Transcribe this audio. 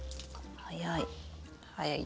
早い。